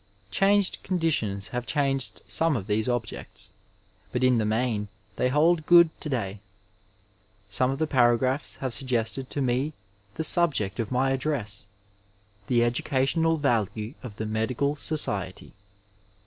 Changed conditions have changed some of these objects, but in the main they hold good to day,' Some of the paragraphs have suggested to me the subject of my address — ^the educational value of the medical society.